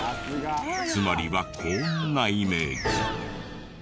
つまりはこんなイメージ。